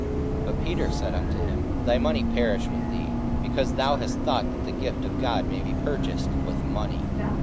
44:008:020 But Peter said unto him, Thy money perish with thee, because thou hast thought that the gift of God may be purchased with money.